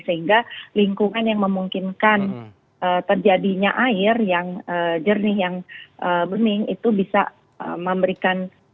sehingga lingkungan yang memungkinkan terjadinya air yang jernih yang bening itu bisa memberikan